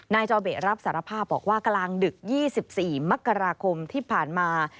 จอเบะรับสารภาพบอกว่ากลางดึก๒๔มกราคมที่ผ่านมา